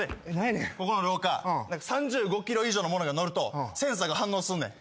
ここの廊下３５ｋｇ以上のものが乗るとセンサーが反応すんねん。